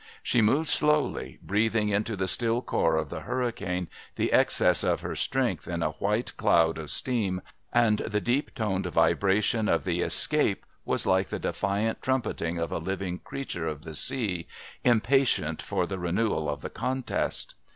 She moved slowly, breathing into the still core of the hurricane the excess of her strength in a white cloud of steam, and the deep toned vibration of the escape was like the defiant trumpeting of a living creature of the sea impatient for the renewal of the contest.